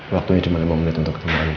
waktunya cuma lima menit untuk ketemu andi